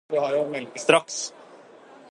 straks